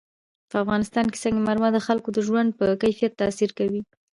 په افغانستان کې سنگ مرمر د خلکو د ژوند په کیفیت تاثیر کوي.